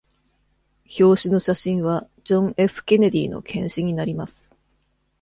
表紙の写真はジョン・ F ・ケネディの検視になります。